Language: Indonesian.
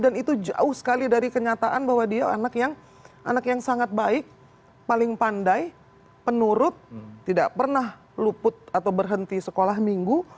dan itu jauh sekali dari kenyataan bahwa dia anak yang sangat baik paling pandai penurut tidak pernah luput atau berhenti sekolah minggu